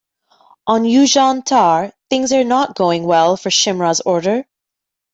On Yuuzhan'tar, things are not going well for Shimrra's order.